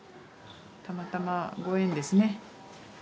たまたまご縁ですね。